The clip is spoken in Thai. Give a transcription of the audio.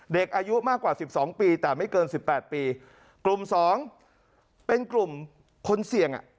เด็กอายุมากกว่าสิบสองปีแต่ไม่เกินสิบแปดปีกลุ่มสองเป็นกลุ่มคนเสี่ยงอ่ะ